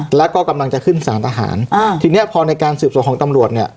แล้วก็กำลังจะขึ้นสารทหารอ่าทีเนี้ยพอในการสืบสวนของตำรวจเนี่ย